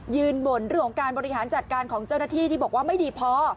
บ่นเรื่องของการบริหารจัดการของเจ้าหน้าที่ที่บอกว่าไม่ดีพอ